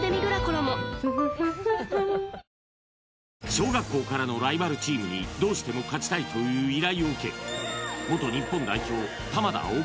小学校からのライバルチームにどうしても勝ちたいという依頼を受け